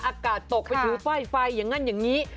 อากาศตกไปถือป้ายไฟอย่างนั้นอย่างนี้